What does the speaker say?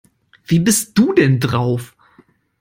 Wie bist du denn drauf?